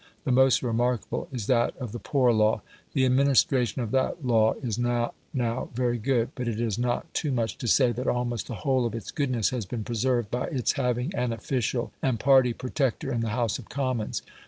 The most remarkable is that of the Poor Law. The administration of that law is not now very good, but it is not too much to say that almost the whole of its goodness has been preserved by its having an official and party protector in the House of Commons.